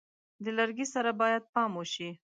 د لرګي سره باید پام وشي.